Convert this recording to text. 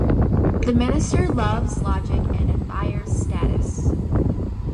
The minister loves logic and admires statis.